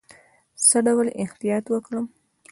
څه ډول احتیاط وکړم؟